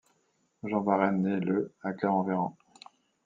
Jean Varenne naît le à Clermont-Ferrand.